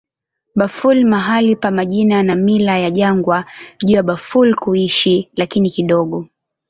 Bafur mahali pa majina na mila ya jangwa juu ya Bafur kuishi, lakini kidogo.